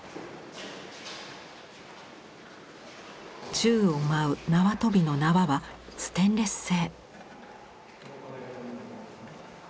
宙を舞う縄跳びの縄はステンレス製。